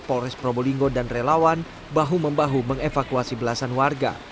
polres probolinggo dan relawan bahu membahu mengevakuasi belasan warga